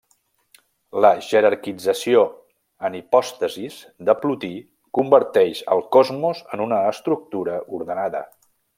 La jerarquització en hipòstasis de Plotí converteix el cosmos en una estructura ordenada.